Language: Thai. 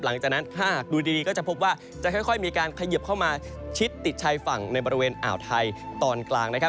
หลังจากนั้นถ้าหากดูดีก็จะพบว่าจะค่อยมีการเขยิบเข้ามาชิดติดชายฝั่งในบริเวณอ่าวไทยตอนกลางนะครับ